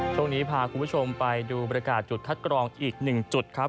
ช่วงนี้พาคุณผู้ชมไปดูบรรยากาศจุดคัดกรองอีกหนึ่งจุดครับ